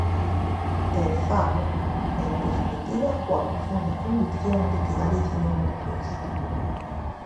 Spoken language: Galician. E fágoo, en definitiva, coa profunda convicción de que Galicia non merece isto.